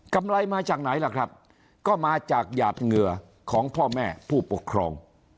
ไรมาจากไหนล่ะครับก็มาจากหยาดเหงื่อของพ่อแม่ผู้ปกครอง